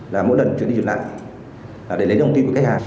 là mỗi lần chuyển đi truyền lại là để lấy đồng tiền của khách hàng